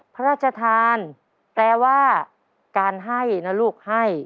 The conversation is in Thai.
พระราชทานแปลว่าการให้นะลูกให้